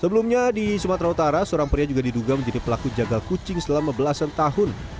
sebelumnya di sumatera utara seorang pria juga diduga menjadi pelaku jagal kucing selama belasan tahun